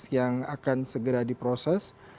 yang akan segera diproses